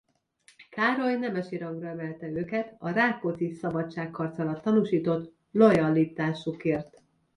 Károly nemesi rangra emelte őket a Rákóczi-szabadságharc alatt tanúsított lojalitásukért.